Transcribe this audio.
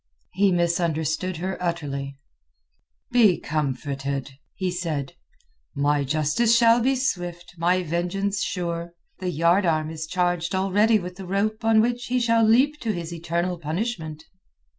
He misunderstood her utterly. "Be comforted," he said. "My justice shall be swift; my vengeance sure. The yard arm is charged already with the rope on which he shall leap to his eternal punishment."